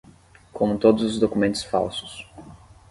como todos os documentos falsos